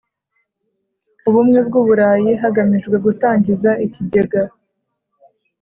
Ubumwe bw’u Burayi hagamijwe gutangiza Ikigega